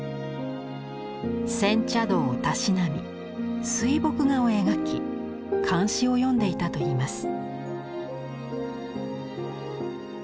煎茶道をたしなみ水墨画を描き漢詩を読んでいたといいます。